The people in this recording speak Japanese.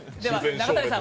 中谷さん